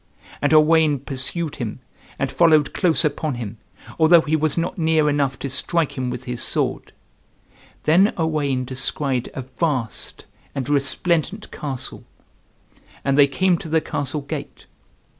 And Owain pursued him and followed close upon him, although he was not near enough to strike him with his sword. Then Owain descried a vast and resplendent castle; and they came to the castle gate.